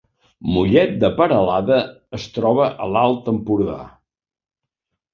Mollet de Peralada es troba a l’Alt Empordà